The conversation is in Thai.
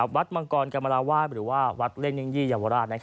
วัดมังกรกำลาวาลหรือวัดเล่นเนื่องยี่ยาวราช